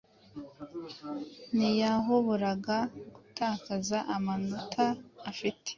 Ntiyahoboraga gutakaza amanota afite